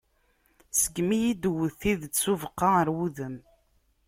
Segmi iyi-d-tewwet tidet s ubeqqa ɣer wudem.